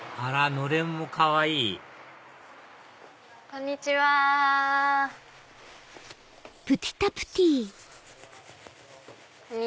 のれんもかわいいこんにちは！よいしょ。